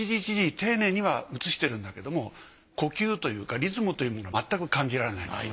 丁寧には写してるんだけども呼吸というかリズムというものがまったく感じられないんです。